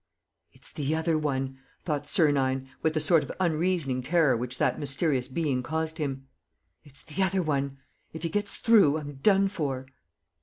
"It's 'the other one'!" thought Sernine, with the sort of unreasoning terror which that mysterious being caused him. "It's the other one. ... If he gets through, I'm done for."